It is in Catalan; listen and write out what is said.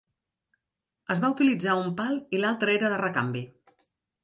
Es va utilitzar un pal i l'altre era de recanvi.